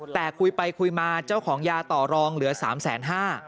แต่คุยไปคุยมาเจ้าของยาต่อรองเหลือ๓๕๐๐บาท